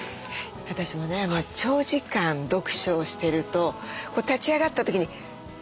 私もね長時間読書をしてると立ち上がった時に固まってる。